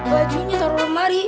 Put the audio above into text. bajunya taruh lemari